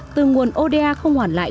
từ nguồn oda không hoàn lại